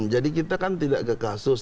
jadi kita kan tidak ke kasus